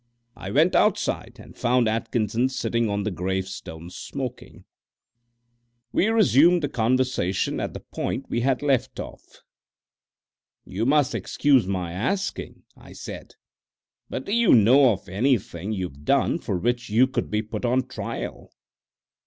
I went outside, and found Atkinson sitting on the gravestone smoking. We resumed the conversation at the point we had left off. "You must excuse my asking," I said, "but do you know of anything you've done for which you could be put on trial?"